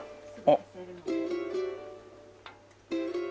あっ。